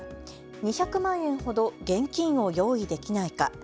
２００万円ほど現金を用意できないか。